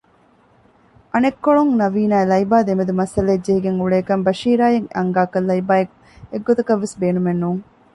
އަނެއްކޮޅުން ނަވީނާއި ލައިބާ ދެމެދު މައްސަލައެއް ޖެހިގެން އުޅޭކަން ބަޝީރާއަށް އަންގާކަށް ލައިބާއެއް ގޮތަކަށްވެސް ބޭނުމެއް ނޫން